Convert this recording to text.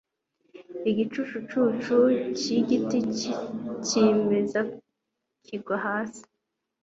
igicucu cyigiti cyimeza kigwa hasi